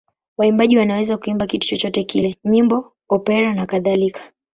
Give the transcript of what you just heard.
Waimbaji wanaweza kuimba kitu chochote kile: nyimbo, opera nakadhalika.